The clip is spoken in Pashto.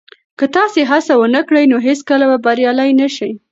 که تاسي هڅه ونه کړئ نو هیڅکله به بریالي نه شئ.